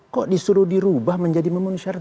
kok disuruh dirubah menjadi memenuhi syarat